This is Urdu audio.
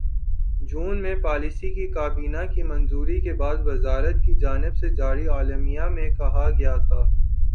جون میں پالیسی کی کابینہ کی منظوری کے بعد وزارت کی جانب سے جاری اعلامیے میں کہا گیا تھا